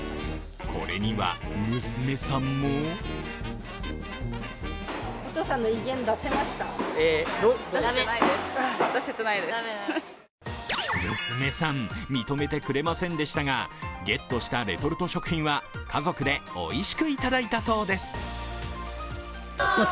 これには娘さんも娘さん、認めてくれませんでしたが、ゲットしたレトルト食品は家族でおいしくいただいたそうです。